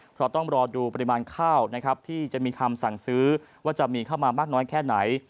เพราะต้องรอดูปริมาณข้าวนะครับที่จะมีคำสั่งซื้อว่าจะมีเข้ามามากน้อยแค่ไหน